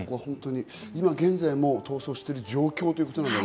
今、現在も逃走している状況ということなんだよね。